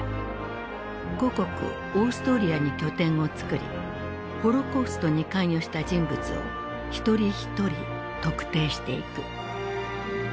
故国オーストリアに拠点を作りホロコーストに関与した人物を一人一人特定していく。